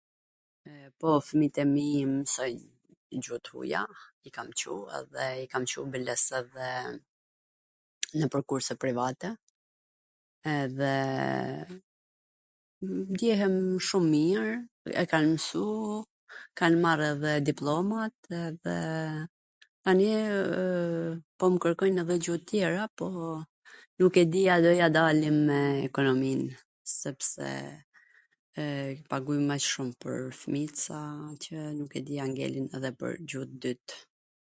Po, fmijt e mi msojn gjuh t huaj, i kam Cu edhe i kam Cu biles edhe nwpwr kurse private, edhe ndjehem shum mir, e kan msu, kan marrw dhe dipllomat, edhe tani www po mw kwrkojn edhe gjuh tjera, po nuk e di a do ja dalim me ekonomin, sepse pagujm aq shum pwr fmijt, sa nuk e di a ngelet dhe pwr gjuh t dyt.